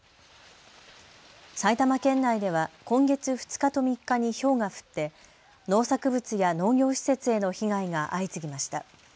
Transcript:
埼玉県内では今月２日と３日にひょうが降って農作物や農業施設への被害が相次ぎました。